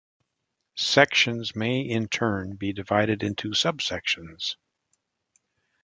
Sections may in turn be divided into subsections.